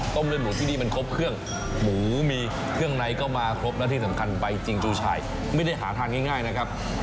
เลือดหมูที่นี่มันครบเครื่องหมูมีเครื่องในก็มาครบแล้วที่สำคัญใบจิงจูชัยไม่ได้หาทานง่ายนะครับ